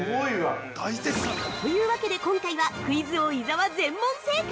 ◆というわけで今回はクイズ王・伊沢、全問正解。